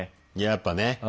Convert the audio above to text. やっぱね。